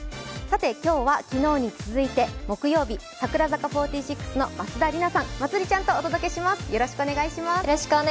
今日は、昨日に続いて、木曜日櫻坂４６の松田里奈さん、まつりちゃんとお届けします。